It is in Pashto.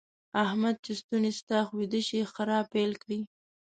احمد چې ستونی ستخ ويده شي؛ خرا پيل کړي.